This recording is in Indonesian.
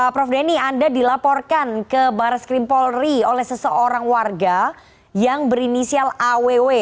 prof denny anda dilaporkan ke baris krim polri oleh seseorang warga yang berinisial aww